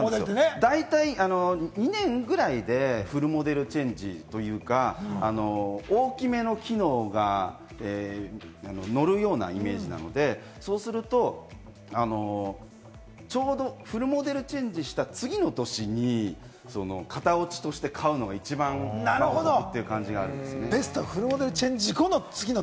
だいたい２年くらいでフルモデルチェンジというか、大きめの機能がのるようなイメージなので、そうすると、ちょうどフルモデルチェンジした次の年に、型落ちとして買うのが一番という感じがあるんですね。